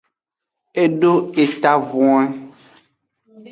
E do etavwen.